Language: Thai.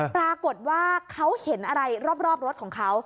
ปรากฏว่าเขาเห็นอะไรรอบรถของเขา